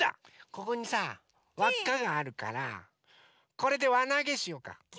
ここにさわっかがあるからこれでわなげしようか！